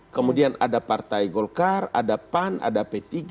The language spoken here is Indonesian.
kemudian ada partai golkar ada pan ada p tiga